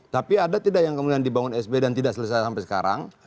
tapi ada tidak yang kemudian dibangun sb dan tidak selesai sampai sekarang